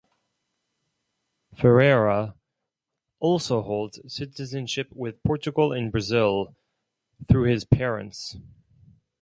Ferreira also holds citizenship with Portugal and Brazil through his parents.